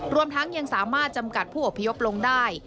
รวมทั้งยังสามารถจำกัดผู้อพยพลงได้